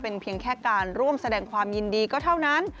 เป็นเพียงแค่การร่วมแสดงความยินดีก็เท่านั้น